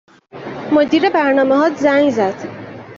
مدیر برنامه هات زنگ زد